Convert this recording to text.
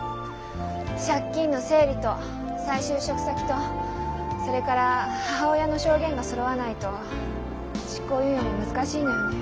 借金の整理と再就職先とそれから母親の証言がそろわないと執行猶予も難しいのよね。